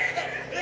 え！